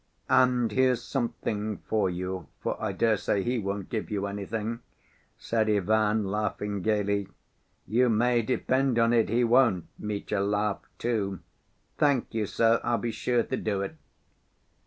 "And here's something for you, for I dare say he won't give you anything," said Ivan, laughing gayly. "You may depend on it he won't." Mitya laughed too. "Thank you, sir. I'll be sure to do it."